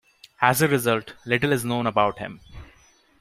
As a result, little is known about him.